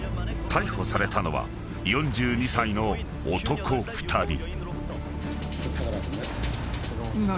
［逮捕されたのは４２歳の男２人］